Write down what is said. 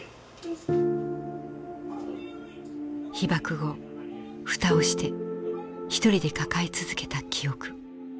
被爆後蓋をして一人で抱え続けた記憶。